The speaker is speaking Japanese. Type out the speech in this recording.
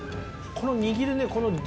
この握るね